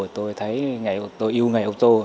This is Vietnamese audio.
tôi thấy tôi yêu ngày ô tô